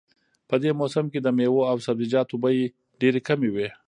په دې موسم کې د میوو او سبزیجاتو بیې ډېرې کمې وي